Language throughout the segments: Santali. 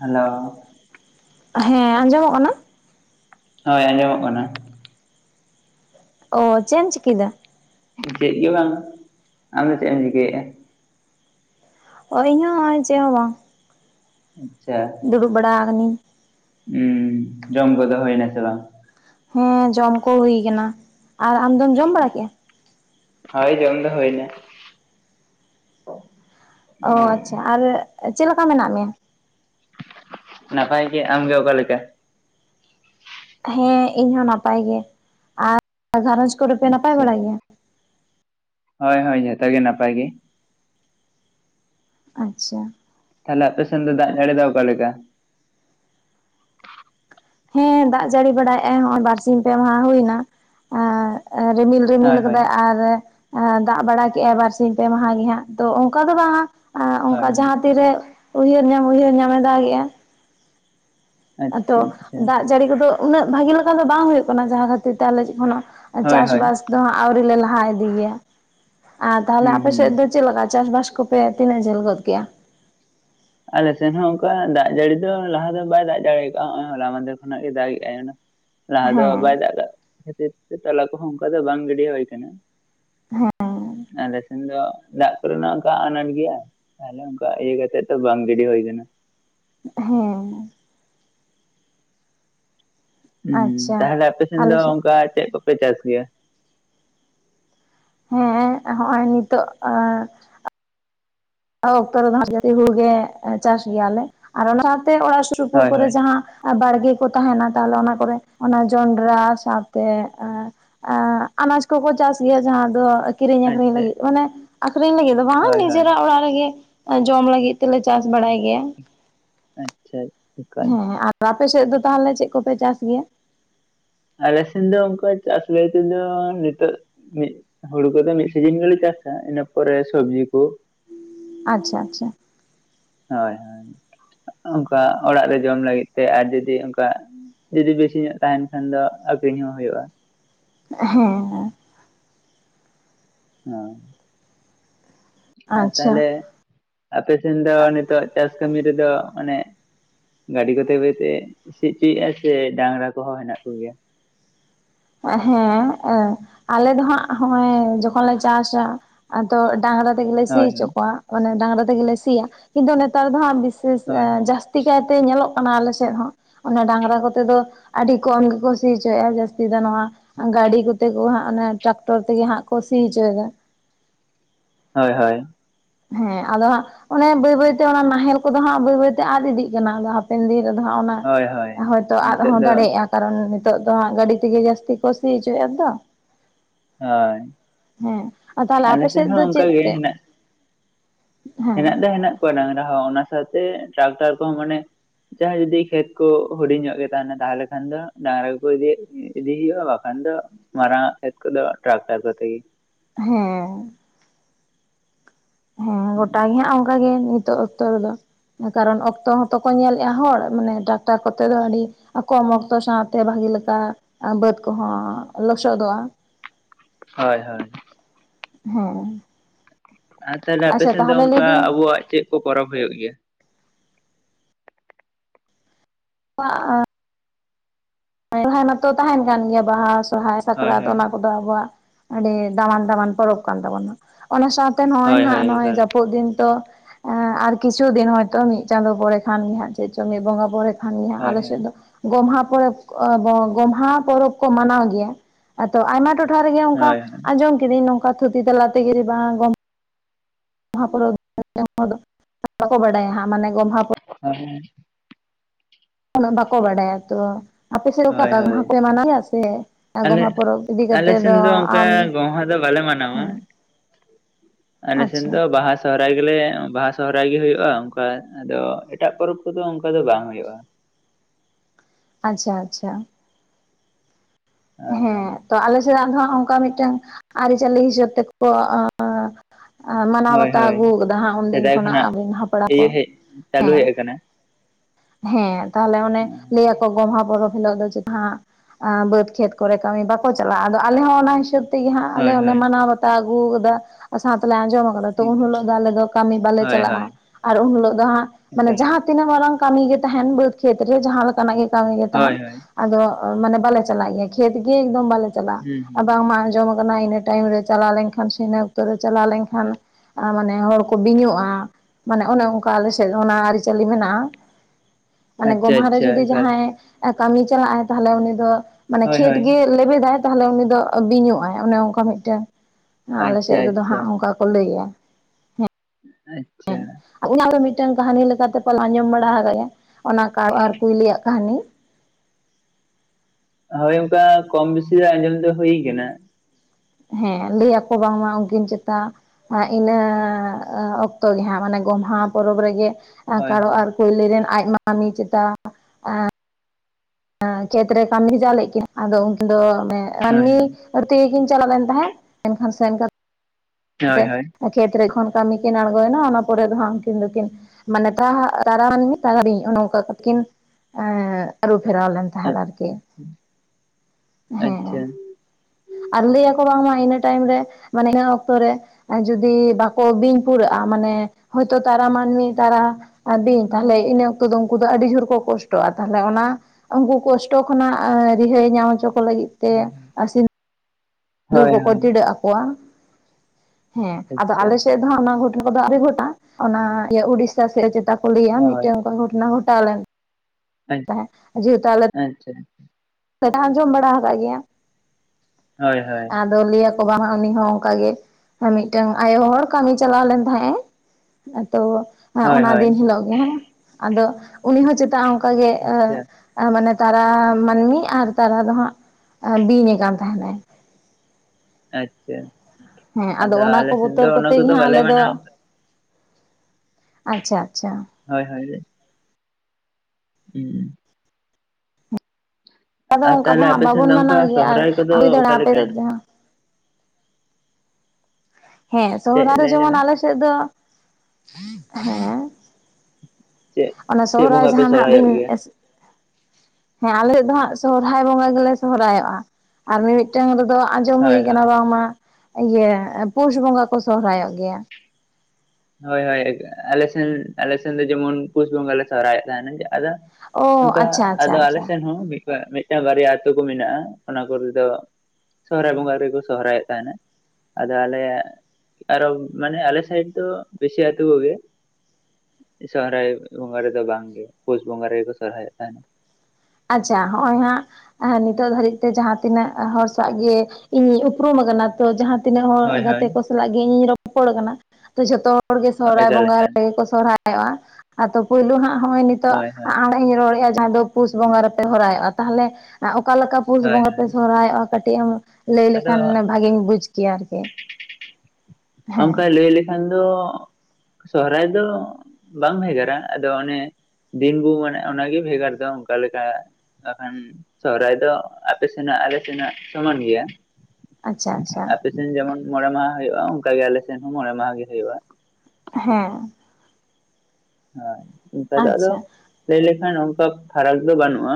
ᱦᱮᱞᱳ! ᱦᱮᱸ ᱟᱸᱡᱚᱢᱚᱜ ᱠᱟᱱᱟ? ᱦᱳᱭ ᱟᱸᱡᱚᱢᱚᱜ ᱠᱟᱱᱟ᱾ ᱚ ᱪᱮᱫ ᱮᱢ ᱪᱤᱠᱟᱹᱭᱟ? ᱪᱮᱫ ᱜᱮ ᱵᱟᱝ᱾ ᱟᱢ ᱫᱚ ᱪᱮᱫ ᱮᱢ ᱪᱤᱠᱟᱹᱭᱮᱫᱼᱟ? ᱤᱧ ᱦᱚᱸ ᱪᱮᱫ ᱦᱚᱸᱵᱟᱝ᱾ ᱫᱩᱲᱩᱵ ᱵᱟᱰᱟ ᱠᱟᱹᱱᱟᱹᱧ᱾ ᱦᱩᱸ ᱡᱚᱢ ᱠᱚᱫᱚ ᱦᱩᱭᱱᱟ ᱥᱮ ᱵᱟᱝ? ᱦᱮᱸ ᱡᱚᱢ ᱠᱚ ᱦᱩᱭ ᱠᱟᱱᱟ ᱟᱨ ᱟᱢᱫᱚᱢ ᱡᱚᱢ ᱵᱟᱲᱟ ᱠᱮᱜᱼᱟ᱾ ᱦᱳᱭ ᱡᱚᱢ ᱫᱚ ᱦᱩᱭᱱᱟ᱾ ᱚ ᱟᱪᱪᱷᱟ ᱟᱨ ᱪᱮᱫ ᱞᱮᱠᱟ ᱢᱮᱱᱟᱜ ᱢᱮᱭᱟ? ᱱᱟᱯᱟᱭ ᱜᱮ᱾ ᱟᱢᱜᱮ ᱚᱠᱟ ᱞᱮᱠᱟ? ᱦᱮᱸ ᱤᱧᱦᱚ ᱱᱟᱯᱟᱭ ᱜᱮ᱾ ᱟᱨ ᱜᱷᱟᱨᱚᱸᱡᱽ ᱠᱚᱨᱮᱯᱮ ᱱᱟᱯᱟᱭ ᱟᱪᱪᱷᱟ ᱵᱟᱲᱟ ᱜᱮᱭᱟ? ᱦᱳᱭ ᱦᱳᱭ ᱡᱷᱚᱛᱚ ᱜᱮ ᱱᱟᱯᱟᱭ ᱜᱮ᱾ ᱟᱪᱪᱷᱟ ᱛᱟᱦᱞᱮ ᱟᱯᱮ ᱥᱮᱱ ᱫᱚ ᱫᱟᱜ ᱡᱟᱹᱲᱤ ᱫᱚ ᱚᱠᱟᱞᱮᱠᱟ? ᱦᱮᱸ ᱫᱟᱜ ᱡᱟᱹᱲᱤ ᱵᱟᱲᱟᱭᱮᱜᱟᱭ ᱱᱚᱜᱚᱭ ᱵᱟᱨᱥᱤᱧ ᱯᱮ ᱢᱟᱦᱟ ᱦᱩᱭᱱᱟ ᱮ ᱨᱤᱢᱤᱞ ᱨᱤᱢᱤᱞ ᱦᱳᱭ ᱦᱳᱭ ᱟᱠᱟᱫᱟᱭ ᱟᱨ ᱫᱟᱜ ᱵᱟᱲᱟ ᱠᱮᱜᱼᱟᱭ ᱵᱟᱨ ᱥᱤᱧ ᱯᱮ ᱢᱟᱦᱟ ᱜᱮ ᱦᱟᱸᱜ ᱛᱚ ᱚᱱᱠᱟ ᱫᱚ ᱵᱟᱝᱟ ᱦᱳᱭ ᱚᱱᱠᱟ ᱦᱳᱭ ᱡᱟᱦᱟᱸ ᱛᱤᱨᱮ ᱩᱭᱦᱟᱹᱨ ᱧᱟᱢ ᱩᱭᱦᱟᱹᱨ ᱧᱟᱢᱮ ᱫᱟᱜᱮᱼᱟ᱾ ᱟᱫᱚ ᱟᱪᱪᱷᱟ ᱟᱪᱪᱷᱟ ᱫᱟᱜ ᱡᱟᱹᱲᱤ ᱠᱚᱫᱚ ᱩᱱᱟᱹᱜ ᱵᱷᱟᱜᱮ ᱞᱮᱠᱟ ᱫᱚ ᱵᱟᱝ ᱦᱩᱭᱩᱜ ᱠᱟᱱᱟ ᱡᱟᱦᱟᱸ ᱠᱷᱟᱹᱛᱤᱨ ᱛᱮ ᱟᱞᱮ ᱪᱮᱫ ᱠᱷᱚᱱᱟᱜ ᱟᱨ ᱦᱳᱭ ᱦᱳᱭ ᱪᱟᱥᱵᱟᱥ ᱫᱚᱦᱟᱸᱜ ᱟᱹᱣᱨᱤᱞᱮ ᱞᱟᱦᱟ ᱤᱫᱤ ᱜᱮᱭᱟ ᱟᱨ ᱛᱟᱦᱞᱮ ᱦᱩᱸ ᱟᱯᱮ ᱦᱩᱸ ᱥᱮᱫ ᱫᱚ ᱪᱮᱫ ᱞᱮᱠᱟ ᱪᱟᱥᱵᱟᱥ ᱠᱚᱯᱮ ᱛᱤᱱᱟᱹᱜ ᱡᱷᱟᱹᱞ ᱜᱚᱫ ᱠᱮᱜᱟ? ᱟᱞᱮ ᱥᱮᱫ ᱦᱚᱸ ᱚᱱᱠᱟ ᱫᱟᱜ ᱡᱟᱹᱲᱤ ᱫᱚ ᱞᱟᱦᱟ ᱫᱚ ᱵᱟᱭ ᱫᱟᱜ ᱡᱟᱲᱮ ᱠᱟᱜᱼᱟ ᱦᱚᱸᱜᱼᱚᱭ ᱦᱚᱞᱟ ᱢᱟᱫᱷᱮᱨ ᱠᱷᱚᱱᱟᱜ ᱜᱮ ᱫᱟᱜᱮᱜ ᱟᱭ ᱚᱱᱟ ᱞᱟᱦᱟ ᱫᱚ ᱵᱟᱭ ᱦᱮᱸ ᱫᱟᱜᱟᱜ ᱠᱷᱟᱹᱛᱤᱨ ᱛᱮ ᱛᱚᱞᱟ ᱠᱚᱦᱚᱸ ᱚᱱᱠᱟ ᱫᱚ ᱵᱟᱝ ᱜᱤᱰᱤ ᱦᱩᱭ ᱠᱟᱱᱟ᱾ ᱦᱮᱸ ᱟᱞ ᱥᱮ ᱫᱚ ᱫᱟᱜ ᱠᱚᱫᱚ ᱦᱮᱸ ᱦᱩᱸ ᱟᱪᱪᱷᱟ ᱛᱟᱦᱞᱮ ᱟᱯᱮ ᱥᱮᱱ ᱟᱞᱮ ᱫᱚ ᱥᱮᱫ ᱚᱱᱠᱟ ᱪᱮᱫ ᱠᱚᱯᱮ ᱪᱟᱥ ᱜᱮᱭᱟ? ᱦᱮᱸ ᱦᱚᱸᱜᱼᱚᱭ ᱱᱤᱛᱚᱜ ᱚᱠᱛᱚ ᱨᱮᱫᱚ ᱡᱟᱛᱤ ᱦᱩᱲᱜᱮ ᱪᱟᱥ ᱜᱮᱭᱟᱞᱮ ᱟᱨ ᱚᱱᱟ ᱚᱲᱟᱜ ᱥᱩᱨ ᱥᱯᱩᱨ ᱦᱳᱭ ᱠᱚᱨᱮ ᱦᱳᱭ ᱡᱟᱦᱟᱸ ᱵᱟᱲᱜᱮ ᱠᱚ ᱛᱟᱦᱮᱱᱟ ᱛᱟᱦᱞᱮ ᱚᱱᱟ ᱠᱚᱨᱮ ᱚᱱᱟ ᱡᱚᱱᱰᱨᱟ ᱥᱟᱶᱛᱮ ᱟ ᱟ ᱟᱱᱟᱡ ᱠᱚ ᱪᱟᱥ ᱜᱮᱭᱟ ᱡᱟᱦᱟᱸ ᱫᱚ ᱠᱤᱨᱤᱧ ᱟᱠᱷᱨᱤᱧ ᱟᱪᱪᱷᱟ ᱞᱟᱹᱜᱤᱫ ᱢᱟᱱᱮ ᱟᱠᱷᱨᱤᱧ ᱞᱟᱹᱜᱤᱫ ᱫᱚ ᱵᱟᱝ ᱦᱳᱭ ᱦᱳᱭ ᱱᱤᱡᱮᱨᱟᱜ ᱚᱲᱟᱜ ᱨᱮᱜᱮ ᱡᱚᱢ ᱞᱟᱹᱜᱤᱫ ᱛᱮᱞᱮ ᱪᱟᱥ ᱵᱟᱲᱟᱭ ᱜᱮᱭᱟ᱾ ᱟᱪᱪᱷᱟ! ᱮᱠᱟᱞ ᱦᱮᱸ ᱟᱨ ᱟᱯᱮ ᱥᱮᱫ ᱫᱚ ᱛᱟᱦᱞᱮ ᱪᱮᱫ ᱠᱚᱯᱮ ᱪᱟᱥ ᱜᱮᱭᱟ? ᱟᱞᱮᱴᱮᱥᱮᱱ ᱫᱚ ᱚᱱᱠᱟ ᱪᱟᱥ ᱞᱟᱹᱭ ᱛᱮᱫᱚ ᱱᱤᱛᱚᱜ ᱢᱤᱫ ᱦᱩᱲᱩ ᱠᱚᱫᱚ ᱢᱤᱫ ᱥᱤᱡᱤᱱ ᱜᱮᱞᱮ ᱪᱟᱥ ᱟ ᱤᱱᱟᱹ ᱯᱚᱨᱮ ᱥᱚᱵᱡᱤ ᱠᱚ ᱟᱪᱪᱷᱟ! ᱟᱪᱪᱷᱟ! ᱦᱳᱭ! ᱦᱳᱭ! ᱚᱱᱠᱟ ᱚᱲᱟᱜ ᱨᱮ ᱡᱚᱢ ᱞᱟᱹᱜᱤᱫ ᱛᱮ ᱟᱨ ᱡᱩᱚᱫᱤ ᱚᱱᱠᱟ ᱡᱩᱫᱤ ᱵᱮᱥᱤ ᱧᱚᱜ ᱛᱟᱦᱮᱱ ᱠᱷᱟᱱ ᱫᱚ ᱟᱠᱷᱨᱤᱧ ᱦᱚᱸ ᱦᱩᱭᱩᱜᱼᱟ᱾ ᱦᱮᱸ ᱦᱮᱸ ᱟᱨ ᱟᱪᱪᱷᱟ ᱛᱟᱦᱚᱞᱮ ᱟᱯᱮ ᱥᱮᱱ ᱫᱚ ᱱᱤᱛᱚᱜ ᱪᱟᱥ ᱠᱟᱹᱢᱤ ᱨᱮᱫᱚ ᱢᱟᱱᱮ ᱜᱟᱹᱰᱤ ᱠᱚᱛᱮ ᱵᱟᱹᱭᱛᱮ ᱥᱤ ᱦᱚᱪᱚᱭᱮᱼᱟ ᱥᱮ ᱰᱟᱝᱨᱟ ᱠᱚᱦᱚᱸ ᱦᱮᱱᱟᱜ ᱠᱚᱜᱮᱭᱟ? ᱦᱮᱸ ᱮ ᱟᱞᱮ ᱫᱚ ᱦᱟᱸᱜ ᱱᱚᱜᱚᱭ ᱡᱚᱠᱷᱚᱱᱞᱮ ᱪᱟᱥᱟ ᱟᱫᱚ ᱰᱟᱝᱨᱟ ᱛᱮᱜᱮ ᱥᱤ ᱦᱳᱭ ᱦᱚᱪᱚ ᱦᱳᱭ ᱠᱚᱣᱟ ᱚᱱᱮ ᱰᱟᱝᱨᱟ ᱛᱮᱜᱮ ᱥᱤᱭᱟ ᱠᱤᱱᱛᱩ ᱱᱮᱛᱟᱨ ᱫᱚ ᱦᱟᱸᱜ ᱵᱤᱥᱮᱥ ᱦᱳᱭ ᱡᱟᱹᱥᱛᱤ ᱠᱟᱭ ᱛᱮ ᱧᱮᱞᱚᱜ ᱠᱟᱱᱟ ᱟᱞᱮ ᱥᱮᱫ ᱦᱚᱸ ᱚᱱᱮ ᱰᱟᱝᱨᱟ ᱠᱚᱛᱮ ᱫᱚ ᱟᱹᱰᱤ ᱠᱚᱢ ᱜᱮᱠᱚ ᱥᱤ ᱦᱚᱪᱚᱭᱮᱜᱼ᱾ᱟ ᱡᱟᱹᱥᱛᱤ ᱥᱟ ᱫᱚ ᱱᱚᱣᱟ ᱜᱟᱹᱰᱤ ᱠᱚᱛᱮ ᱠᱚ ᱦᱟᱸᱜ ᱚᱱᱟ ᱴᱨᱟᱠᱴᱚᱨ ᱛᱮᱜᱮ ᱦᱟᱸᱜ ᱠᱚ ᱥᱤ ᱦᱚᱪᱚᱭᱮᱫᱟ ᱾ [inaudible] ᱦᱳᱭ ᱦᱳᱭ ᱦᱮᱸ ᱟᱫᱚ ᱦᱟᱸᱜ ᱚᱱᱮ ᱵᱟᱹᱭ ᱵᱟᱹᱭᱛᱮ ᱚᱱᱟ ᱱᱟᱦᱮᱞ ᱠᱚᱫᱚ ᱦᱟᱸᱜ ᱵᱟᱹᱭ ᱵᱟᱹᱭᱛᱮ ᱟᱫ ᱤᱫᱤᱜ ᱠᱟᱱᱟ ᱟᱫᱚ ᱦᱟᱯᱮᱱ ᱫᱤᱱ ᱫᱚ ᱦᱟᱜ ᱚᱱᱟ ᱦᱳᱭ ᱦᱳᱭ ᱦᱚᱭᱛᱚ ᱟᱫ ᱱᱤᱛᱚᱜ ᱦᱚᱸ ᱫᱚ ᱫᱟᱲᱮᱭᱟᱜᱼᱟ ᱠᱟᱨᱚᱱ ᱱᱤᱛᱚᱜ ᱫᱚ ᱦᱟᱸᱜ ᱜᱟᱹᱰᱤ ᱛᱮᱜᱮ ᱡᱟᱹᱥᱛᱤ ᱠᱚ ᱥᱤ ᱦᱚᱪᱚᱭᱮᱫ ᱫᱚ ᱦᱳᱭ ᱾ ᱦᱮᱸ ᱛᱟᱦᱞᱮ ᱟᱞᱮ ᱟᱯᱮ ᱥᱮᱫ ᱥᱮᱱ ᱦᱚᱸ ᱫᱚ ᱚᱱᱠᱟ ᱪᱮᱫ ᱜᱮ ᱛᱮ? ᱦᱮᱱᱟᱜ ᱦᱮᱸ ᱦᱮᱱᱟᱜ ᱫᱚ ᱦᱮᱱᱟᱜ ᱠᱚᱣᱟ ᱰᱟᱝᱨᱟ ᱦᱚᱸ ᱚᱱᱟ ᱥᱟᱶᱛᱮ ᱴᱨᱟᱠᱴᱟᱨ ᱠᱚᱦᱚᱸ ᱢᱟᱱᱮ [unintelligible] ᱠᱚ ᱫᱚ ᱦᱤᱰᱤᱧ ᱧᱚᱜ ᱜᱮ ᱛᱟᱦᱮᱱᱟ ᱛᱟᱦᱚᱞᱮ ᱠᱷᱟᱱ ᱫᱚ ᱰᱟᱝᱨᱟ ᱠᱚᱠᱚ ᱤᱫᱤ ᱤᱫᱤ ᱦᱩᱭᱩᱜᱼᱟ ᱵᱟᱠᱷᱟᱱ ᱫᱚ ᱢᱟᱨᱟᱝ ᱟᱜ ᱠᱷᱮᱛ ᱠᱚᱫᱚ ᱴᱨᱟᱠ ᱴᱟᱨ ᱠᱚᱛᱮ ᱜᱮ ᱾ ᱦᱮᱸ ᱦᱮᱸ ᱜᱚᱴᱟᱜ ᱜᱮ ᱦᱟᱜ ᱚᱱᱠᱟᱜᱮ ᱱᱤᱛᱚᱜ ᱚᱠᱛᱚ ᱨᱮᱫᱚ ᱾ ᱠᱟᱨᱚᱱ ᱚᱠᱛᱚ ᱦᱚᱸᱛᱚ ᱠᱚ ᱧᱮᱞ ᱮᱼᱟ ᱦᱚᱲ ᱢᱟᱱᱮ ᱴᱟᱨᱟᱠᱴᱟᱨ ᱠᱚᱛᱮ ᱫᱚ ᱟᱹᱰᱤ ᱠᱚᱢ ᱚᱠᱛᱚ ᱥᱟᱶᱛᱮ ᱵᱷᱟᱜᱤ ᱡᱮᱞᱮᱠᱟ ᱵᱟᱹᱫᱽ ᱠᱚᱦᱚᱸ ᱞᱚᱥᱚᱫᱚᱜᱼᱟ ᱦᱳᱭ ᱦᱳᱭ ᱦᱮᱸ ᱟᱨ ᱛᱟᱦᱞᱮ ᱟᱯᱮ ᱟᱪᱪᱷᱟ ᱥᱮᱫ ᱫᱚ ᱛᱟᱦᱚᱞᱮ ᱚᱱᱠᱟ ᱞᱟᱹᱭᱫᱟᱹᱧ ᱟᱵᱚᱣᱟᱜ ᱪᱮᱫ ᱠᱚ ᱯᱚᱨᱚᱵᱽ ᱦᱩᱭᱩᱜ ᱜᱮᱭᱟ? ᱯᱟ-ᱟ [unintelligible] ᱥᱚᱨ ᱢᱟᱛᱚ ᱛᱟᱦᱮᱱ ᱠᱟᱱ ᱜᱮᱭᱟ ᱵᱟᱦᱟ ᱥᱚᱦᱨᱟᱭ ᱦᱳᱭ ᱥᱟᱠᱨᱟᱛ ᱦᱳᱭ ᱚᱱᱟ ᱠᱚᱫᱚ ᱟᱵᱚᱣᱟᱜ᱾ ᱟᱹᱰᱤ ᱫᱟᱢᱟᱱ ᱫᱟᱢᱟᱱ ᱯᱚᱨᱚᱵᱽ ᱠᱟᱱ ᱛᱟᱵᱚᱱᱟ ᱚᱱᱟ ᱥᱟᱶᱛᱮ ᱱᱚᱜᱼᱚᱭ ᱦᱳᱭ ᱱᱟᱦᱜ ᱦᱳᱭ ᱱᱚᱜᱼᱚᱭ ᱮᱠᱟᱞ ᱡᱟᱹᱯᱩᱫ ᱫᱤᱱ ᱛᱚ ᱾ ᱟᱨ ᱠᱤᱪᱷᱩ ᱫᱤᱱ ᱦᱚᱭᱛᱳ ᱢᱤᱫ ᱪᱟᱸᱫᱳ ᱯᱚᱨᱮ ᱠᱷᱟᱱ ᱜᱮ ᱦᱜ ᱪᱮᱫ ᱪᱚᱝ ᱢᱤᱫ ᱵᱚᱸᱜᱟ ᱯᱚᱨᱮ ᱠᱷᱟᱱ ᱜᱮ ᱦᱟᱜ ᱦᱳᱭ ᱟᱞᱮ ᱦᱳᱭ ᱥᱮᱫ ᱫᱚ ᱜᱚᱢᱦᱟ ᱯᱚᱨᱚᱵᱽ ᱟᱵᱚ ᱜᱚᱢᱦᱟ ᱯᱚᱨᱚᱵᱽ ᱠᱚ ᱢᱟᱱᱟᱣ ᱜᱮᱭᱟ ᱟᱫᱚ ᱟᱭᱢᱟ ᱴᱚᱴᱷᱟ ᱴᱚᱴᱷᱟ ᱨᱮᱜᱮ ᱚᱱᱠᱟ ᱦᱳᱭ ᱦᱳᱭ ᱟᱸᱡᱚᱢ ᱠᱤᱫᱟᱹᱧ ᱱᱚᱝᱠᱟ ᱛᱷᱩᱛᱤ ᱛᱟᱞᱟ ᱛᱮᱜᱮ ᱵᱟᱝ ᱜᱚᱢ [unintelligible] ᱵᱟᱠᱚ ᱵᱟᱰᱟᱭᱟ ᱦᱟᱸᱜ ᱢᱟᱱᱮ ᱜᱚᱢᱦᱟ ᱯᱚᱨᱚᱵᱽ [unintelligible] ᱩᱱᱟᱹᱜ ᱵᱟᱠᱚ ᱵᱟᱰᱟᱭᱟ ᱛᱚ ᱟᱯᱮ ᱥᱮᱫ ᱚᱠᱟ ᱦᱳᱭ ᱴᱟᱜ ᱜᱚᱢᱦᱟ ᱦᱳᱭ ᱯᱮ ᱢᱟᱱᱟᱣᱭᱟ ᱥᱮ ᱟᱞᱮ ᱜᱚᱢᱟᱦᱟ ᱯᱚᱨᱚᱵᱽ ᱤᱫᱤ ᱠᱟᱛᱮ ᱟᱞᱮ ᱫᱚ ᱥᱮᱱ ᱚᱱᱠᱟ ᱟᱢ ᱵᱟᱞᱮ ᱢᱟᱱᱟᱣᱟ ᱾ [inaudible] ᱟᱮ ᱥᱮᱱ ᱟᱪᱪᱷᱟ ᱫᱚ ᱵᱟᱦᱟ ᱥᱚᱦᱨᱟᱭ ᱟᱭᱳ ᱜᱮ ᱞᱟᱹᱭᱟᱭ ᱵᱟᱦᱟ ᱥᱚᱨᱟᱭ ᱜᱮ ᱦᱩᱭᱩᱜᱼᱟ᱾ ᱚᱱᱠᱟ ᱟᱫᱚ ᱮᱴᱟᱜ ᱯᱚᱨᱚᱵᱽ ᱠᱚᱫᱚ ᱚᱱᱠᱟ ᱫᱚ ᱵᱟᱝ ᱦᱩᱭᱩᱜᱼᱟ᱾ [inaudible] ᱟᱪᱪᱷᱟ ᱟᱪᱪᱷᱟ ᱦᱳᱭ ᱦᱮᱸ ᱦᱳᱭ ᱛᱚ ᱟᱞᱮ ᱪᱮᱫᱟᱜ ᱟᱫᱚ ᱚᱱᱠᱟ ᱢᱤᱫᱴᱟᱝ ᱟᱹᱨᱤᱪᱟᱹᱞᱤ ᱦᱤᱥᱟᱹᱵ ᱛᱮᱠᱚ ᱟᱹ ᱢᱟᱱᱟᱣ ᱦᱳᱭ ᱵᱟᱛᱟᱣ ᱦᱳᱭ ᱟᱹᱜᱩ ᱠᱟᱫᱟ ᱦᱟᱸᱜ ᱩᱱᱫᱤᱱ ᱠᱷᱚᱱᱟᱜ ᱟᱵᱤᱱ ᱦᱟᱯᱲᱟᱢ ᱠᱚ ᱤᱭᱟᱹ ᱦᱮᱡ ᱪᱟᱹᱞᱩ ᱦᱮᱸ᱾ ᱦᱮᱡ ᱟᱠᱟᱱᱟ [unintelligible] ᱦᱮᱸ ᱛᱟᱦᱞᱮ ᱚᱱᱮ ᱞᱟᱹᱭᱟᱠᱚ ᱜᱚᱢᱦᱟ ᱯᱚᱨᱚᱵᱽ ᱦᱤᱞᱳᱜ ᱫᱚ ᱪᱮᱫᱦᱟᱸᱜ ᱵᱟᱹᱫᱽ ᱠᱷᱮᱛ ᱠᱚᱨᱮ ᱠᱟᱹᱢᱤ ᱵᱟᱠᱚ ᱪᱟᱞᱟᱜᱼᱟ ᱟᱫᱚ ᱟᱞᱮ ᱦᱚᱸ ᱚᱱᱟ ᱦᱤᱥᱟᱹᱵ ᱛᱮᱜᱮ ᱦᱟᱜ ᱟᱞᱮ ᱦᱳᱭ ᱦᱚᱸᱞᱮ ᱦᱳᱭ ᱢᱟᱱᱟᱣ ᱵᱟᱛᱟᱣ ᱟᱹᱜᱩ ᱟᱠᱟᱫᱟ ᱥᱟᱶᱛᱮ ᱮ ᱟᱸᱡᱚᱢ ᱟᱠᱟᱫᱟ ᱛᱚ ᱩᱱ ᱮᱱᱠᱟ ᱦᱤᱞᱳᱜ ᱫᱚ ᱟᱞᱮ ᱫᱚᱞᱮ ᱟᱡᱚᱢ ᱟᱠᱟᱫᱟ ᱛᱚ ᱩᱱ ᱦᱤᱞᱚᱜ ᱫᱚ ᱟᱞᱮ ᱫᱚ ᱠᱟᱹᱢᱤ ᱵᱟᱞᱮ ᱦᱳᱭ ᱪᱟᱞᱟᱜᱼᱟ ᱦᱳᱭ ᱟᱨ ᱩᱱ ᱦᱤᱞᱚᱜ ᱫᱚ ᱦᱟᱸᱜ ᱢᱟᱱᱮ ᱮᱠᱟᱞ ᱡᱟᱦᱟᱸ ᱛᱤᱱᱟᱹᱜ ᱢᱟᱨᱟᱝ ᱠᱟᱹᱢᱤ ᱜᱮ ᱛᱟᱦᱮᱱ ᱵᱟᱹᱫ ᱠᱷᱮᱛ ᱨᱮ ᱡᱟᱦᱟ ᱞᱮᱠᱟᱱᱟᱜ ᱠᱟᱹᱢᱤ ᱜᱮ ᱛᱟᱦᱮᱱ ᱦᱳᱭ ᱦᱳᱭ ᱟᱫᱚ ᱢᱟᱱᱮ ᱵᱟᱞᱮ ᱪᱟᱞᱟᱜ ᱜᱮᱭᱟ ᱠᱷᱮᱛ ᱜᱮ ᱮᱠᱫᱚᱢ ᱵᱟᱞᱮ ᱦᱩᱸ ᱪᱟᱞᱟᱜᱼᱟ ᱦᱩᱸ ᱵᱟᱝ ᱢᱟ ᱟᱡᱚᱢ ᱠᱟᱱᱟ ᱤᱱᱟᱹ ᱴᱟᱭᱤᱢ ᱨᱮ ᱪᱟᱞᱟᱣ ᱞᱮᱱᱠᱷᱟᱱ ᱥᱮ ᱤᱱᱟᱹ ᱚᱠᱛᱚ ᱨᱮ ᱪᱟᱞᱟᱣ ᱞᱮᱱᱠᱷᱟᱱ ᱟᱨ ᱢᱟᱱᱮ ᱦᱚᱲ ᱠᱚ ᱵᱤᱧᱚᱜᱼᱟ᱾ ᱢᱟᱱᱮ ᱚᱱᱮ ᱚᱱᱠᱟ ᱟᱞᱮ ᱥᱮᱫ ᱚᱱᱟ ᱟᱹᱨᱤᱪᱟᱹᱞᱤ ᱢᱮᱱᱟᱜᱼᱟ᱾ ᱢᱟᱱᱮ ᱟᱪᱪᱷᱟ ᱜᱚᱢᱦᱟ ᱨᱮ ᱟᱪᱪᱷᱟ ᱡᱚᱫᱤ ᱮᱠᱟᱞ ᱡᱟᱦᱟᱸᱭ ᱠᱟᱹᱢᱤ ᱪᱟᱞᱟᱜᱼᱟᱭ ᱛᱟᱦᱚᱞᱮ ᱩᱱᱤ ᱫᱚ ᱢᱟᱱᱮ ᱦᱳᱭ ᱠᱷᱮᱛ ᱦᱳᱭ ᱜᱮᱭ ᱞᱮᱵᱮᱫᱟᱭ ᱛᱟᱦᱞᱮ ᱩᱱᱤ ᱫᱚ ᱵᱤᱧᱚᱜ ᱟᱭ ᱾ ᱚᱱᱮ ᱚᱱᱠᱟ ᱢᱤᱫᱴᱮᱱ ᱟᱪᱪᱷᱟ ᱟᱞᱮᱥᱮᱫ ᱨᱮᱫᱚ ᱟᱪᱪᱷᱟ ᱦᱟᱸᱜ ᱚᱱᱠᱟ ᱠᱚ ᱞᱟᱹᱭᱟ ᱾ ᱦᱮᱸ ᱟᱪᱪᱷᱟ ᱦᱮᱸ ᱟᱨ ᱚᱱᱟ ᱠᱚᱨᱮ ᱢᱤᱫᱴ [unintelligible] ᱢᱤᱫᱴᱮᱱ ᱠᱟᱹᱦᱱᱤ ᱞᱮᱠᱟᱛᱮ ᱯᱟᱞ ᱟᱸᱡᱚᱢ ᱵᱟᱲᱟ ᱠᱟᱫᱟ ᱚᱱᱟ ᱠᱟᱲ ᱠᱩᱭ-ᱞᱤᱭᱟᱜ ᱠᱟᱹᱦᱱᱤ ᱦᱳᱭ ᱚᱱᱠᱟ ᱠᱚᱢ ᱵᱮᱥᱤ ᱫᱚ ᱟᱸᱡᱚᱢ ᱫᱚ ᱦᱩᱭ ᱠᱟᱱᱟ ᱦᱮᱸ ᱞᱟᱹᱭᱟᱠᱚ ᱵᱟᱝᱢᱟ ᱩᱱᱠᱤᱱ ᱪᱮᱛᱟ ᱤᱱᱟᱹ ᱚᱠᱛᱚ ᱜᱮ ᱦᱟᱸᱜ ᱢᱟᱱᱮ ᱜᱚᱢᱦᱟ ᱯᱚᱨᱚᱵᱽ ᱨᱮᱜᱮ ᱦᱳᱭ ᱠᱟᱨᱚ ᱦᱳᱭ ᱟᱨ ᱠᱩᱭᱞᱤ ᱨᱮᱱ ᱟᱭᱢᱟᱢᱤ ᱪᱮᱛᱟᱱ ᱠᱷᱮᱛᱨᱮ ᱠᱟᱹᱢᱤᱮᱡᱟᱣ ᱞᱮᱫ ᱠᱤᱱᱟᱹ ᱟᱫᱚ ᱩᱱᱠᱤᱱ ᱫᱚ ᱦᱳᱭ ᱢᱟᱹᱱᱢᱤ ᱛᱮᱜᱮ ᱠᱤᱱ [inaudible] ᱪᱟᱞᱟᱣ ᱞᱮᱱ ᱛᱟᱦᱮᱸᱫ ᱮᱱᱠᱷᱟᱱ ᱥᱮᱱ ᱦᱳᱭ ᱠᱟᱛᱮ ᱦᱳᱭ ᱠᱷᱮᱛ ᱨᱮ ᱠᱷᱚᱱ ᱠᱟᱹᱢᱤ ᱠᱤᱱ ᱟᱬᱜᱚᱭᱮᱱᱟ ᱚᱱᱟ ᱯᱚᱨᱮ ᱫᱚ ᱦᱟᱸᱜ ᱩᱱᱠᱤᱱ ᱫᱚᱠᱤᱱ ᱢᱟᱱᱮ ᱛᱟᱦᱟ ᱛᱟᱨᱟ ᱢᱟᱹᱱᱢᱤ ᱛᱟᱨᱟ ᱵᱤᱧ ᱚᱱᱮ ᱚᱱᱠᱟ ᱠᱟᱛᱮ ᱠᱤᱱ ᱮ ᱟᱹᱨᱩ ᱯᱷᱮᱨᱟᱣ ᱞᱮᱱ ᱛᱟᱦᱮᱫ ᱦᱳᱭ ᱟᱨᱠᱤ ᱦᱮᱸ ᱟᱪᱪᱷᱟ ᱟᱨ ᱞᱟᱹᱭ ᱟᱠᱚ ᱵᱟᱝᱢᱟ ᱤᱱᱟᱹ ᱴᱟᱭᱤᱢ ᱨᱮ ᱢᱟᱱᱮ ᱤᱱᱟᱹ ᱚᱠᱛᱚᱨ ᱨᱮ ᱡᱩᱫᱤ ᱵᱟᱠᱚ ᱵᱤᱧ ᱯᱩᱨᱟᱹᱜᱼᱟ ᱢᱟᱱᱮ ᱦᱚᱭᱛᱚ ᱛᱟᱨᱟ ᱢᱟᱹᱱᱢᱤ ᱛᱟᱨᱟ ᱟ ᱵᱤᱧ ᱛᱟᱦᱚᱞᱮ ᱤᱱᱟᱹ ᱚᱠᱛᱚ ᱫᱚ ᱩᱱᱠᱩ ᱫᱚ ᱟᱹᱰᱤ ᱡᱳᱨ ᱠᱚ ᱠᱚᱥᱴᱚᱜᱼᱟ ᱟᱨ ᱛᱟᱦᱚᱞᱮ ᱚᱱᱟ ᱩᱱᱠᱩ ᱠᱚᱥᱴᱚ ᱠᱷᱚᱱᱟᱜ ᱨᱤᱦᱟᱹᱭ ᱧᱟᱢ ᱦᱚᱪᱚ ᱠᱚ ᱞᱟᱹᱜᱤᱫ ᱛᱮ ᱦᱳᱭ ᱟᱥᱤᱱ ᱫᱩ ᱦᱳᱭ ᱠᱚᱠᱚ ᱴᱤᱰᱟᱹᱜ ᱟᱠᱚᱣᱟ ᱦᱮᱸ ᱟᱫᱚ ᱟᱪᱪᱷᱟ ᱟᱞᱮᱥᱮᱫ ᱫᱚ ᱦᱟᱜ ᱚᱱᱟ ᱜᱷᱚᱴᱱᱟ ᱠᱚᱫᱚ ᱟᱹᱨᱤ ᱜᱷᱚᱴᱟ ᱚᱱᱟ ᱮ ᱩᱲᱤᱥᱥᱟ ᱥᱮᱫ ᱪᱮᱛᱟ ᱠᱩᱞᱮᱭᱟ ᱦᱳᱭ ᱢᱤᱫᱴᱮᱱ ᱚᱱᱠᱟ ᱜᱷᱚᱴᱚᱱᱟ ᱜᱷᱚᱴᱟᱣ ᱞᱮᱱ ᱛᱟᱦᱮ ᱡᱮᱦᱩᱛᱩ ᱟᱞᱮ [unintelligible] ᱟᱪᱪᱷᱟ ᱥᱮᱴᱟ ᱟᱸᱡᱚᱢ ᱵᱟᱲᱟ ᱟᱠᱟᱫ ᱜᱮᱭᱟ ᱦᱳᱭ ᱦᱳᱭ ᱟᱫᱚ ᱞᱟᱹᱭᱟ ᱵᱟᱝ ᱢᱟ ᱩᱱᱤ ᱦᱚᱸ ᱚᱱᱠᱟᱜᱮ ᱢᱤᱫᱴᱟᱝ ᱟᱭᱳ ᱦᱚᱲ ᱠᱟᱹᱢᱤ ᱪᱟᱞᱟᱣ ᱞᱮᱱ ᱛᱟᱦᱮᱸᱜᱼᱮ ᱛᱚ ᱦᱮ ᱦᱳᱭ ᱚᱱᱟ ᱫᱤᱱ ᱦᱳᱭ ᱦᱤᱞᱳᱜ ᱜᱮ ᱦᱮ ᱟᱫᱚ ᱩᱱᱤ ᱦᱚᱸ ᱪᱮᱛᱟᱜ ᱚᱱᱠᱟ ᱠᱟᱭᱜᱮ ᱟᱪᱪᱷᱟ ᱮ ᱢᱟᱱᱮ ᱛᱟᱨᱟ ᱢᱟᱹᱱᱢᱤ ᱟᱨ ᱛᱟᱨᱟ ᱫᱚ ᱦᱟᱸᱜ ᱵᱤᱧᱮ ᱠᱟᱱ ᱛᱟᱦᱮᱱᱟᱭ ᱟᱪᱪᱷᱟ [inaudible] ᱦᱮᱸ ᱟᱫᱚ ᱚᱱᱟ ᱠᱚ ᱟᱞᱮ ᱥᱮᱱ ᱫᱚ ᱵᱚᱛᱚᱨ ᱠᱚᱛᱮ ᱚᱱᱟ ᱠᱚᱫᱚ ᱜᱮᱦᱟᱸᱜ ᱵᱟᱞᱮ ᱟᱞᱮ ᱫᱚ ᱢᱟᱱᱟᱣ ᱟᱪᱪᱷᱟ ᱟᱪᱪᱷᱟ ᱦᱳᱭ ᱦᱳᱭ ᱦᱩᱸ [inaudible] ᱟᱫᱚ ᱟᱨ ᱚᱱᱠᱟ ᱫᱚ ᱛᱟᱦᱚᱞᱮ ᱦᱟᱸᱜ ᱟᱯᱮ ᱥᱮᱱ ᱵᱟᱵᱚᱱ ᱫᱚ ᱚᱱᱠᱟ ᱢᱟᱱᱟᱣ ᱜᱮᱭᱟ ᱟᱨ ᱥᱚᱦᱨᱟᱭ ᱠᱚᱫᱚ ᱦᱩᱭ ᱚᱠᱟ ᱫᱟᱲᱮᱭᱟᱜᱼᱟ ᱟᱯᱮ ᱞᱮᱠᱟᱱ ᱥᱮᱫ ᱡᱮᱢᱚᱱ ᱦᱮᱸ ᱪᱮᱫ ᱥᱚᱨᱦᱟᱭ ᱫᱚ ᱞᱟᱹᱭ ᱡᱮᱢᱚᱱ ᱞᱮᱢᱮ ᱟᱞᱮ ᱥᱮᱫ ᱫᱚ ᱦᱮᱸ ᱪᱮᱫ ᱚᱱᱟ ᱪᱮᱫ ᱥᱚᱦᱚᱨᱟᱭ ᱵᱚᱸᱜᱟ ᱯᱮ ᱡᱟᱦᱟᱸᱟᱱᱟᱜ ᱵᱤᱱ ᱥᱚᱨᱦᱟᱭᱚᱜ ᱜᱮᱭᱟ ᱮᱥ ᱦᱮᱸ ᱟᱞᱮ ᱫᱚ ᱦᱟᱸᱜ ᱥᱚᱨᱦᱟᱭ ᱵᱚᱸᱜᱟ ᱜᱮᱞᱮ ᱥᱚᱦᱨᱟᱭᱚᱜᱼᱟ ᱟᱨ ᱢᱤᱼᱢᱤᱫᱴᱟᱝ ᱨᱮᱫᱚ ᱟᱸᱡᱚᱢ ᱦᱩᱭ ᱦᱳᱭ ᱟᱠᱟᱱᱟ ᱦᱳᱭ ᱵᱟᱝᱢᱟ ᱤᱭᱟᱹ ᱯᱩᱥ ᱵᱚᱸᱜᱟ ᱠᱚ ᱥᱚᱦᱨᱟᱭᱚᱜ ᱜᱮᱭᱟ ᱦᱳᱭ ᱦᱳᱭ ᱟᱞᱮᱮᱥᱱ ᱟᱞᱮᱮᱥᱱ ᱫᱚ ᱡᱮᱢᱚᱱ ᱯᱩᱥ ᱵᱚᱸᱜᱟ ᱞᱮ ᱥᱚᱦᱨᱟᱭᱚᱜ ᱛᱟᱦᱮᱱᱟ ᱟᱫᱚ ᱚ ᱚᱱᱠᱟ ᱟᱪᱪᱷᱟ ᱟᱪᱪᱷᱟ ᱟᱫᱚ ᱟᱞᱮ ᱟᱪᱪᱷᱟ ᱥᱮᱱ ᱦᱚᱸ ᱢᱤᱫ ᱢᱤᱫᱴᱟᱝ ᱵᱟᱨᱭᱟ ᱟᱹᱛᱩᱳ ᱠᱚ ᱢᱮᱱᱟᱜᱼᱟ ᱚᱱᱟ ᱠᱚᱨᱮ ᱫᱚ ᱥᱚᱦᱨᱟᱭ ᱵᱚᱸᱜᱟ ᱨᱮᱠᱚ ᱥᱚᱦᱨᱟᱭᱚᱜ ᱛᱟᱦᱮᱱᱟ ᱟᱫᱚ ᱟᱞᱮ ᱟᱨᱚ ᱢᱟᱱᱮ ᱟᱞᱮ ᱥᱟᱭᱤᱰ ᱫᱚ ᱵᱮᱥᱤ ᱟᱹᱛᱩ ᱠᱚᱜᱮ ᱥᱚᱦᱨᱟᱭ ᱵᱚᱸᱜᱟ ᱨᱮᱫᱚ ᱵᱟᱝᱜᱮ ᱯᱩᱥ ᱵᱚᱸᱜᱟ ᱨᱮᱜᱮ ᱠᱚ ᱥᱚᱦᱨᱟᱭᱚᱜ ᱛᱟᱦᱮᱱᱟ ᱟᱪᱪᱷᱟ ᱦᱚᱜᱼᱚᱭ ᱦᱟᱸᱜ ᱱᱤᱛᱚᱜᱜ ᱫᱷᱟᱹᱨᱤᱡ ᱛᱮ ᱡᱟᱦᱟᱸᱛᱤᱱᱟᱹᱜ ᱦᱚᱲ ᱥᱟᱶ ᱜᱮ ᱤᱧ ᱩᱯᱨᱩᱢ ᱠᱟᱱᱟ ᱛᱚ ᱡᱟᱦᱟ [inaudible] ᱛᱤᱱᱟᱹᱜ ᱦᱚᱲ ᱦᱳᱭ ᱦᱳᱭ ᱜᱟᱛᱮ ᱠᱚ ᱥᱟᱞᱟᱜ ᱜᱮ ᱤᱧᱤᱧ ᱨᱚᱯᱚᱲ ᱠᱟᱱᱟ ᱡᱷᱚᱛᱚ ᱦᱚᱲ ᱜᱮ ᱥᱚᱦᱨᱟᱭ ᱮᱠᱟᱞ ᱵᱚᱸᱜᱟ ᱮᱠᱟᱞ ᱨᱮᱜᱮ ᱠᱚ ᱥᱚᱦᱨᱟᱭ ᱦᱳᱭᱳᱜ ᱟ ᱟᱫᱚ ᱯᱳᱭᱞᱳ ᱦᱟᱸᱜ ᱦᱚᱜᱼᱚᱭ ᱱᱤᱛᱚᱜ ᱦᱳᱭ ᱦᱳᱭ ᱟᱜ ᱦᱟᱜ ᱤᱧ ᱨᱚᱲᱮᱫᱼᱟ ᱡᱟᱦᱟᱸ ᱫᱚ ᱯᱩᱥ ᱯᱩᱥ ᱵᱚᱸᱜᱟ ᱨᱮᱯᱮ ᱥᱚᱦᱨᱟᱭᱚᱜᱼᱟ ᱛᱟᱦᱚᱞᱮ ᱚᱠᱟ ᱞᱮᱠᱟ ᱯᱩᱥ ᱦᱳᱭ ᱵᱚᱸᱜᱟ ᱯᱮ ᱦᱳᱭ ᱥᱚᱦᱨᱟᱭᱚᱜᱼᱟ ᱠᱟᱹᱴᱤᱡ ᱮᱢ ᱞᱟᱹᱭ ᱟᱫᱚ ᱞᱮᱠᱷᱟᱱ ᱵᱷᱟᱜᱤᱧ ᱵᱩᱡᱽ ᱠᱮᱭᱟ ᱟᱨᱠᱤ ᱦᱮᱸ ᱚᱱᱠᱟ ᱞᱟᱹᱭ ᱞᱮᱠᱷᱟᱱ ᱫᱚ ᱥᱚᱦᱨᱟᱭ ᱫᱚ ᱵᱟᱝ ᱵᱷᱮᱜᱟᱨᱟ ᱟᱫᱚ ᱚᱱᱮ ᱫᱤᱱ ᱵᱚ ᱢᱟᱱᱮ ᱚᱱᱟᱜᱮ ᱵᱷᱮᱜᱟᱨ ᱫᱚ ᱚᱱᱠᱟ ᱞᱮᱠᱟ ᱵᱟᱠᱷᱟᱱ ᱥᱚᱦᱨᱟᱭ ᱫᱚ ᱟᱯᱮ ᱥᱮᱱᱟᱜ ᱟᱞᱮ ᱥᱮᱱᱟᱜ ᱥᱚᱢᱟᱱ ᱜᱮᱭᱟ ᱟᱪᱪᱷᱟ ᱟᱪᱪᱷᱟ ᱟᱯᱮ ᱥᱮᱱ ᱡᱮᱢᱚᱱ ᱢᱚᱬᱮ ᱢᱟᱦᱟ ᱦᱩᱭᱩᱜᱼᱟ ᱚᱱᱠᱟᱟᱜ ᱜᱮ ᱟᱞᱮ ᱥᱮᱱ ᱦᱚᱸ ᱢᱚᱬᱮ ᱢᱟᱦᱟ ᱜᱮ ᱦᱩᱭᱩᱜᱼᱟ ᱦᱮᱸ ᱦᱮ ᱚᱱᱠᱟ ᱫᱚ ᱟᱫᱚ ᱟᱪᱪᱷᱟ ᱞᱟᱹᱭ [unintelligible] ᱮᱠᱷᱟᱱ ᱚᱱᱠᱟ ᱯᱷᱟᱨᱟᱠ ᱫᱚ ᱵᱟᱹᱱᱩᱜᱼᱟ᱾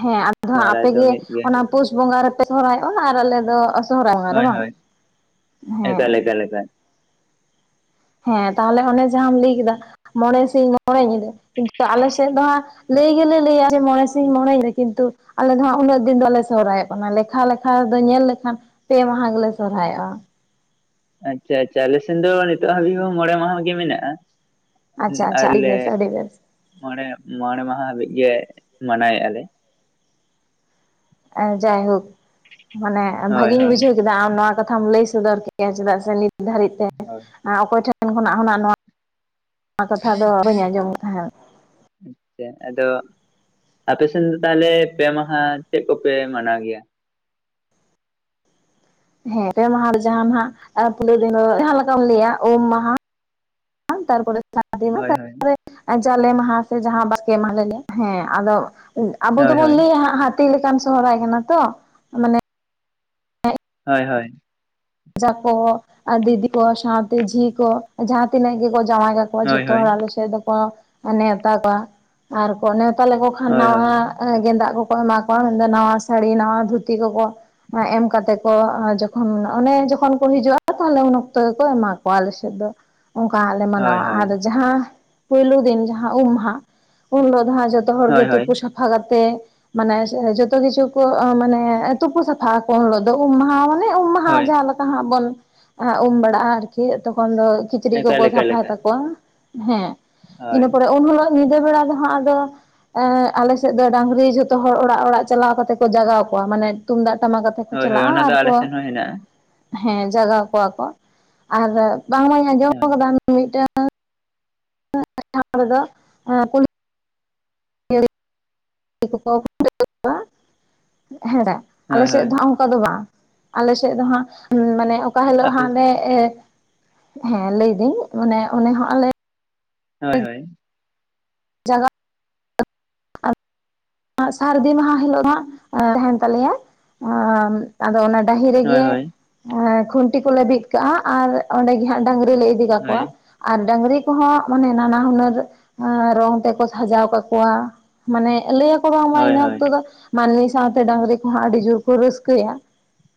ᱦᱮᱸ ᱟᱫᱚ ᱦᱟᱸᱜ ᱥᱚᱦᱨᱟᱭ ᱫᱚ ᱟᱯᱮᱜᱮ ᱢᱤᱫ ᱜᱮ ᱦᱩᱭᱩᱜᱼᱟ ᱚᱱᱟ ᱯᱩᱥ ᱵᱚᱸᱜᱟ ᱨᱮᱯᱮ ᱥᱚᱦᱚᱨᱟᱭᱚᱜᱼᱟ ᱟᱨ ᱟᱞᱮ ᱫᱚ ᱥᱚᱦᱨᱟᱭ ᱵᱚᱸᱜᱟ ᱨᱮ ᱦᱳᱭ ᱵᱟᱝ ᱦᱳᱭ ᱦᱮᱸ ᱮᱠᱟᱞ ᱮᱠᱟᱞ ᱮᱠᱟᱞ ᱦᱮᱸ ᱛᱟᱦᱞᱮ ᱚᱱᱮ ᱡᱟᱦᱟᱸᱢ ᱞᱟᱹᱭ ᱠᱮᱫᱟ ᱢᱚᱬᱮ ᱥᱤᱧ ᱢᱚᱬᱮ ᱧᱤᱫᱟᱹ ᱠᱤᱱᱛᱩ ᱟᱞᱮᱥᱮᱫ ᱫᱚ ᱦᱟᱸᱜ ᱞᱟᱹᱭ ᱜᱮᱞᱮ ᱞᱟᱹᱭ-ᱟ ᱡᱮ ᱢᱚᱬᱮ ᱥᱤᱧ ᱢᱚᱬᱮᱧᱤᱫᱟᱹᱠᱤᱱᱛᱩ ᱟᱞᱮ ᱫᱚ ᱦᱟᱸᱜ ᱩᱱᱟᱹᱜ ᱫᱤᱱ ᱫᱚᱞᱮ ᱥᱚᱦᱨᱟᱭᱚᱜ ᱠᱟᱱᱟ ᱞᱮᱠᱷᱟ ᱞᱮᱠᱷᱟ ᱫᱚ ᱧᱮᱞ ᱞᱮᱠᱷᱟᱱ ᱯᱮ ᱢᱟᱦᱟ ᱜᱮᱞᱮ ᱥᱚᱨᱦᱟᱭᱚᱜᱼᱟ ᱟᱪᱪᱷᱟ ᱟᱪᱪᱷᱟ ᱟᱞᱮ ᱥᱮᱱ ᱫᱚ ᱱᱤᱛᱚᱜ ᱦᱟᱹᱵᱤᱡ ᱦᱚᱸ ᱢᱚᱬᱮ ᱢᱟᱦᱟ ᱜᱮ ᱢᱮᱱᱟᱜᱼᱟ᱾ ᱦᱩ ᱟᱪᱪᱷᱟ ᱟᱪᱪᱷᱟ ᱟᱹᱰᱤ ᱟᱞᱮ ᱵᱮᱥ ᱟᱹᱰᱤ ᱵᱮᱥ ᱢᱚᱬᱮ ᱢᱚᱬᱮ ᱢᱟᱦᱟ ᱦᱟᱵᱤᱡ ᱜᱮ᱾ ᱢᱟᱱᱟᱣᱮᱫᱼᱟ ᱞᱮ ᱡᱟᱭᱦᱳᱠ ᱢᱟᱱᱮ ᱦᱳᱭ ᱵᱷᱟᱹᱜᱤᱧ ᱦᱳᱭ ᱵᱩᱡᱷᱟᱹᱣ ᱠᱮᱫᱟ ᱟᱢ ᱱᱚᱣᱟ ᱠᱟᱛᱷᱟᱢ ᱞᱟᱹᱭᱼᱼ ᱥᱚᱫᱚᱨ ᱠᱮᱭᱟ ᱪᱮᱫᱟᱜ ᱥᱮ ᱱᱤᱛ ᱫᱷᱟᱹᱨᱤᱡ ᱛᱮ ᱦᱳᱭ ᱚᱠᱚᱭ ᱴᱷᱮᱱ ᱴᱮᱱ ᱠᱷᱚᱱᱟᱜ ᱦᱚᱸᱱᱟᱜ ᱱᱚᱣᱟ ᱠᱟᱛᱷᱟ ᱫᱚ ᱵᱟᱹᱧ ᱟᱸᱡᱚᱢᱮᱫ ᱛᱟᱦᱮᱸᱫ ᱟᱪᱪᱷᱟ ᱟᱫᱚ ᱟᱯᱮ ᱥᱮᱱ ᱫᱚ ᱛᱟᱦᱚᱞᱮ ᱯᱮ ᱢᱟᱦᱟ ᱪᱮᱫ ᱠᱚᱯᱮ ᱢᱟᱱᱟᱣ ᱜᱮᱭᱟ? ᱦᱮᱸ ᱯᱮ ᱢᱟᱦᱟ ᱨᱮ ᱡᱟᱦᱟᱸᱱᱟᱜ ᱯᱩᱭᱞᱩ ᱫᱤᱱ ᱫᱚ ᱡᱟᱦᱟ ᱞᱮᱠᱟᱢ ᱞᱟᱹᱭᱟ ᱩᱢ ᱢᱟᱦᱟ [unintelligible] ᱛᱟᱨᱯᱚᱨᱮ ᱥᱟᱹᱨᱫᱤ ᱢᱟ ᱦᱳᱭ ᱦᱳᱭ ᱛᱟᱨᱯᱚᱨᱮ ᱡᱟᱞᱮ ᱢᱟᱦᱟ ᱥᱮ ᱡᱟᱦᱟᱸ ᱵᱟᱥᱠᱮ ᱢᱟᱦᱟ ᱦᱮᱸ ᱟᱫᱚ ᱟᱵᱚ ᱦᱳᱭ ᱫᱚᱵᱚᱱ ᱦᱳᱭ ᱞᱟᱹᱭᱟ ᱦᱟᱸᱜ ᱦᱟᱹᱛᱤ ᱞᱮᱠᱟᱱ ᱥᱚᱦᱨᱟᱭ ᱠᱟᱱᱟ ᱛᱚ ᱢᱟᱱᱮ ᱦᱳᱭ ᱦᱳᱭ [unintelligible] ᱠᱚ ᱟᱨ ᱫᱤᱫᱤ ᱠᱚ ᱥᱟᱶᱛᱮ ᱡᱷᱤ ᱠᱚ ᱡᱟᱦᱟᱸ ᱛᱤᱱᱟᱹᱜ ᱜᱮ [unintelligible] ᱡᱟᱶᱟᱭ ᱠᱟᱠᱚᱣᱟ ᱦᱳᱭ ᱡᱷᱚᱛᱚ ᱦᱳᱭ ᱦᱚᱲ ᱟᱞᱮ ᱥᱮᱫ ᱫᱚᱠᱚ ᱱᱮᱣᱛᱟ ᱠᱚᱣᱟ ᱟᱨ ᱠᱚ [unintelligible] ᱠᱚ ᱠᱷᱟᱱ ᱦᱳᱭ ᱦᱳᱭ ᱦᱳᱭ ᱱᱟᱣᱟ ᱜᱮᱸᱫᱟᱜ ᱠᱚᱠᱚ ᱮᱢᱟ ᱠᱚᱣᱟ ᱱᱟᱣᱟ ᱥᱟᱲᱤ ᱱᱟᱣᱟ ᱫᱷᱩᱛᱤ ᱠᱚ ᱮᱢ ᱠᱟᱛᱮ ᱠᱚ ᱡᱚᱠᱷᱚᱱ ᱚᱱᱮ ᱡᱚᱠᱷᱚᱱ ᱠᱚ ᱦᱤᱡᱩᱜᱼᱟ ᱛᱟᱦᱞᱮ ᱩᱱ ᱚᱠᱛᱚ ᱜᱮᱠᱚ ᱮᱢᱟ ᱠᱚᱣᱟ ᱟᱞᱮ ᱥᱮᱫ ᱫᱚ ᱚᱱᱠᱟ ᱞᱮ ᱦᱳᱭ ᱢᱟᱱᱟᱣᱟ ᱦᱳᱭ ᱟᱫᱚ ᱡᱟᱦᱟᱸ ᱯᱩᱭᱞᱩ ᱫᱤᱱ ᱡᱟᱦᱟᱸ ᱩᱢ ᱢᱟᱦᱟ ᱩᱱ ᱦᱤᱞᱳᱜ ᱡᱟᱦᱟᱸ ᱡᱚᱛᱚ ᱦᱚᱲ ᱜᱮ ᱦᱳᱭ ᱦᱳᱭ ᱛᱩᱯᱩ ᱥᱟᱯᱷᱟ ᱠᱟᱛᱮ ᱢᱟᱱᱮ ᱡᱚᱛᱚ ᱠᱤᱪᱷᱩ ᱠᱚ ᱢᱟᱱᱮ ᱛᱩᱯᱩ ᱥᱟᱯᱷᱟᱜ ᱟᱠᱳ ᱩᱱ ᱦᱤᱞᱳᱜ ᱫᱚ ᱩᱢ ᱢᱟᱦᱟ ᱩᱢ ᱢᱟᱦᱟ ᱦᱳᱭ ᱡᱟᱦᱟᱸ ᱞᱮᱠᱟ ᱵᱚᱱ ᱩᱢ ᱵᱟᱲᱟᱜᱼᱟ ᱟᱨᱠᱤ ᱛᱚᱠᱷᱚᱱ ᱫᱚ ᱠᱤᱪᱨᱤᱪ ᱠᱚᱠᱚ ᱮᱠᱟᱞ ᱮᱠᱟᱞ ᱥᱟᱯᱷᱟᱭ ᱮᱠᱟᱞ ᱛᱟᱠᱚᱣᱟ ᱦᱮᱸ ᱦᱳᱭ ᱤᱱᱟᱹ ᱯᱚᱨᱮ ᱩᱱ ᱦᱤᱞᱚᱜ ᱧᱤᱫᱟᱹ ᱵᱮᱲᱟ ᱫᱚᱦᱟᱸᱜ ᱟᱞᱮᱥᱮᱫ ᱫᱚ ᱰᱟᱝᱨᱤ ᱡᱷᱚᱛᱚ ᱦᱚᱲ ᱚᱲᱟᱜ ᱚᱲᱟᱜ ᱪᱟᱞᱟᱣ ᱠᱟᱛᱮ ᱠᱚ ᱡᱟᱜᱟᱣ ᱠᱚᱣᱟ ᱢᱟᱱᱮ ᱛᱩᱢᱫᱟᱜ ᱴᱟᱢᱟᱼᱼ ᱛᱩᱢᱫᱟᱜ ᱴᱟᱢᱟᱠᱛᱮ ᱠᱚ ᱦᱳᱭ ᱦᱳᱭ ᱪᱟᱞᱟᱜᱼᱟ ᱚᱱᱟ ᱟᱨ ᱫᱚ ᱠᱚ ᱟᱞᱮ ᱥᱮᱱ ᱦᱚᱸ ᱦᱮᱱᱟᱜᱼᱟ ᱦᱮᱸ ᱡᱟᱜᱟᱣ ᱠᱚᱣᱟ ᱠᱚ ᱟᱨ ᱵᱟᱝᱢᱟᱹᱧ ᱟᱸᱡᱚᱢ ᱟᱠᱟᱫᱟ ᱢᱤᱫᱴᱟᱝ [unintelligible] ᱠᱚᱠᱚ ᱠᱷᱟᱹᱣᱟ ᱦᱮᱸᱰᱟ ᱟᱞᱮ ᱦᱳᱭ ᱥᱮᱫ ᱦᱳᱭ ᱫᱚ ᱦᱟᱸᱜ ᱚᱱᱠᱟ ᱫᱚ ᱵᱟᱝ [unintelligible] ᱟᱞᱮ ᱥᱮᱫ ᱫᱚ ᱦᱟᱸᱜ ᱢᱟᱱᱮ ᱚᱠᱟ ᱦᱤᱞᱳᱜ ᱟᱯᱮ ᱦᱟᱸᱜ ᱞᱮ ᱦᱮᱸ ᱞᱟᱹᱭᱫᱟᱹᱧ ᱢᱟᱱᱮ ᱚᱱᱮ ᱦᱚᱸ ᱟᱞᱮ ᱦᱳᱭ ᱦᱳᱭ ᱡᱟᱜᱟ [unintelligible] ᱟᱨ [unintelligible] ᱥᱟᱹᱨᱫᱤ ᱢᱟᱦᱟ ᱦᱤᱞᱳᱜ ᱦᱟᱸᱜ ᱛᱟᱦᱮᱱ ᱛᱟᱞᱮᱭᱟ ᱟᱫᱚ ᱚᱱᱟ ᱰᱟᱹᱦᱤ ᱦᱳᱭ ᱨᱮᱜᱮ ᱦᱳᱭ ᱠᱷᱩᱱᱴᱤ ᱠᱚᱞᱮ ᱵᱤᱫ ᱠᱟᱜᱼᱟ ᱟᱨ ᱚᱸᱰᱮ ᱜᱮ ᱦᱟᱸᱜ ᱰᱟᱝᱨᱤ ᱞᱮ ᱤᱫᱤ ᱠᱟ ᱠᱚᱣᱟ ᱦᱳᱭ ᱟᱨ ᱰᱟᱝᱨᱤ ᱠᱚᱦᱚᱸ ᱢᱟᱱᱮ ᱱᱟᱱᱟ ᱦᱩᱱᱟᱹᱨ ᱨᱚᱝ ᱛᱮᱠᱚ ᱥᱟᱡᱟᱣ ᱠᱟᱠᱚᱣᱟ ᱢᱟᱱᱮ ᱞᱟᱹᱭ ᱟᱠᱚ ᱦᱳᱭ ᱤᱱᱟᱹᱛ ᱦᱳᱭ ᱚᱠᱛᱚ ᱫᱚ ᱢᱟᱱ [unintelligible] ᱥᱟᱶᱛᱮ ᱰᱟᱝᱨᱤ ᱠᱚᱦᱚᱸ ᱟᱹᱰᱤ ᱡᱳᱨ ᱠᱚ ᱨᱟᱹᱥᱠᱟᱹᱭᱟ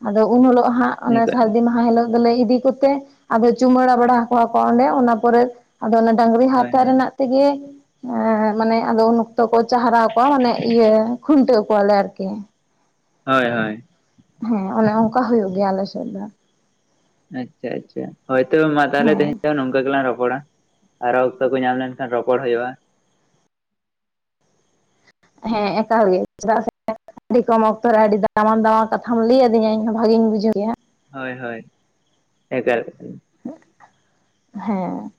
ᱟᱫᱚ ᱩᱱ ᱦᱤᱞᱳᱜ ᱦᱟᱸᱜ ᱚᱱᱟ ᱥᱟᱹᱨᱫᱤ ᱢᱟᱦᱟ ᱦᱤᱞᱳᱜ ᱟᱫᱚᱞᱮ ᱤᱫᱤ ᱠᱚᱛᱮ ᱟᱫᱚ ᱪᱩᱢᱟᱹᱲᱟ ᱵᱟᱲᱟ ᱠᱚᱣᱟ ᱠᱚ ᱚᱸᱰᱮ ᱚᱱᱟ ᱯᱚᱨᱮ ᱟᱫᱚ ᱚᱱᱟ ᱦᱳᱭ ᱦᱳᱭ ᱡᱚ ᱠᱚ ᱪᱟᱨᱦᱟᱣ ᱠᱚᱣᱟ ᱢᱟᱱᱮ ᱤᱭᱟᱹ ᱠᱷᱩᱱᱴᱟᱹᱣ ᱠᱚᱣᱟᱞᱮ ᱦᱳᱭ ᱦᱳᱭ ᱦᱮᱸ ᱚᱱᱮ ᱚᱱᱠᱟ ᱦᱩᱭᱩᱜ ᱜᱮᱭᱟ ᱟᱞᱮ ᱥᱮᱫ ᱫᱚ ᱟᱪᱪᱷᱟ ᱟᱪᱪᱷᱟ ᱦᱳᱭ ᱛᱚᱵᱮ ᱢᱟ ᱛᱟᱦᱞᱮ ᱛᱮᱦᱮᱧ ᱦᱮᱸ ᱫᱚ ᱱᱚᱝᱠᱟ ᱜᱮᱞᱟᱝ ᱨᱚᱯᱚᱲ ᱚᱲ ᱟᱨᱚ ᱚᱠᱛᱚ ᱠᱚ ᱧᱟᱢ ᱞᱮᱱᱠᱷᱟᱱ ᱨᱚᱯᱚᱲ ᱦᱩᱭᱩᱜᱼᱟ ᱦᱮᱸ ᱟᱠᱟᱠᱟᱣ ᱜᱮ ᱪᱮᱫᱟᱜ ᱥᱮ ᱟᱹᱰᱤ ᱠᱚᱢ ᱚᱠᱛᱚ ᱨᱮ ᱟᱹᱰᱤ ᱫᱟᱢᱟᱱ ᱫᱟᱢᱟᱱ ᱠᱟᱛᱷᱟᱢ ᱞᱟᱹᱭ ᱟᱹᱫᱤᱧᱟ ᱤᱧ ᱦᱚᱸ ᱵᱷᱟᱜᱤᱧ ᱵᱩᱡᱷᱟᱹᱣ ᱠᱮᱫᱼᱟ ᱦᱳᱭ ᱦᱳᱭ ᱮᱠᱟᱞ ᱦᱮᱸ